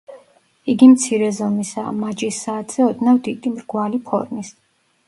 იგი მცირე ზომისაა, მაჯის საათზე ოდნავ დიდი, მრგვალი ფორმის.